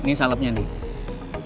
ini salepnya nih